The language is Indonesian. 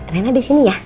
rina di sini ya